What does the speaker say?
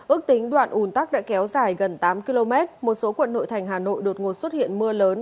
ước tính đoạn ủn tắc đã kéo dài gần tám km một số quận nội thành hà nội đột ngột xuất hiện mưa lớn